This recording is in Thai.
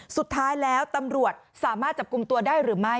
สุดท้ายแล้วตำรวจสามารถจับกลุ่มตัวได้หรือไม่